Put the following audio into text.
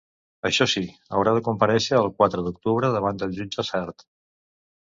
Això sí, haurà de comparèixer el quatre d’octubre davant del jutge sard.